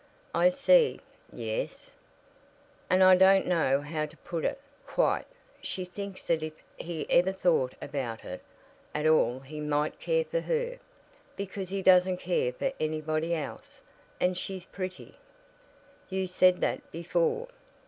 "I see. Yes?" "And I don't know how to put it, quite she thinks that if he ever thought about it at all he might care for her; because he doesn't care for anybody else, and she's pretty " "You said that before."